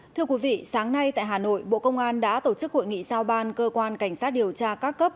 thưa quý vị sáng nay tại hà nội bộ công an đã tổ chức hội nghị sao ban cơ quan cảnh sát điều tra các cấp